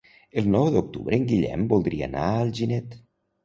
El nou d'octubre en Guillem voldria anar a Alginet.